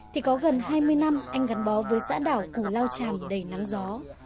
thì có gần hai mươi năm anh gắn bó với xã đảo cù lao tràm đầy nắng gió